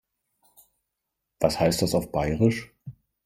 Was heißt das auf Bairisch?